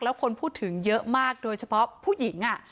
แล้วคนพูดถึงเยอะมากโดยเฉพาะผู้หญิง